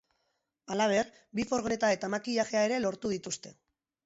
Halaber, bi furgoneta eta makillajea ere lortu dituzte.